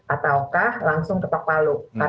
ataukah langsung kepencetan